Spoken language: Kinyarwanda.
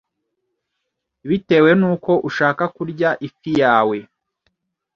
Bitewe nuko ushaka kurya ifi yawe,